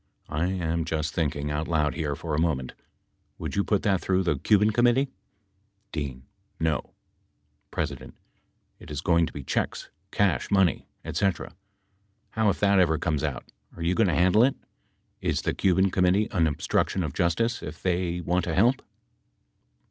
I am just thinking out loud here for a moment. Would you put that through the Cuban Committee ? D. No. P. It is going to be checks, cash money, etc. How if that ever comes out, are you going to handle it ? Is the Cuban Com mittee an obstruction of justice, if they want to help